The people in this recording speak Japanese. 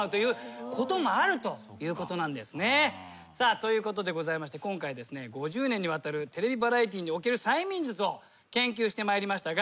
ということでございまして今回５０年にわたるテレビバラエティーにおける催眠術を研究してまいりました。